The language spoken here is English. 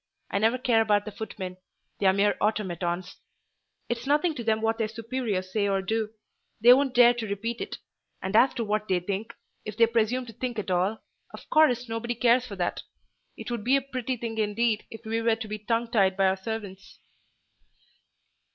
I never care about the footmen; they're mere automatons: it's nothing to them what their superiors say or do; they won't dare to repeat it; and as to what they think—if they presume to think at all—of course, nobody cares for that. It would be a pretty thing indeed, it we were to be tongue tied by our servants!"